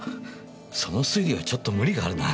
その推理はちょっと無理があるな。